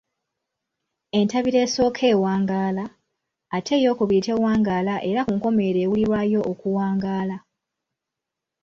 Entabiro esooka ewangaala, ate eyookubiri tewangaala era ku nkomerero ewulirwayo okuwangaala.